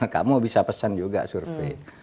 kamu bisa pesan juga survei